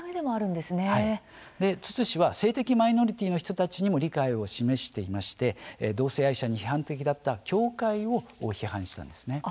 ツツ氏は性的マイノリティーの方にも理解を示していて同性愛者に批判的だった教会も批判したんです。